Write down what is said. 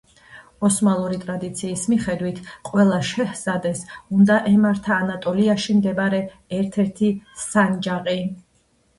ოსმალური ტრადიციის მიხედვით, ყველა შეჰზადეს უნდა ემართა ანატოლიაში მდებარე ერთ-ერთი სანჯაყი.